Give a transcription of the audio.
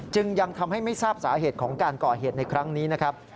จึงยังทำให้ไม่ทราบสาเหตุของการก่อเหตุในครั้งนี้นะครับ